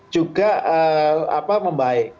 juga apa membaik